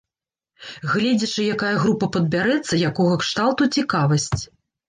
Гледзячы, якая група падбярэцца, якога кшталту цікавасць.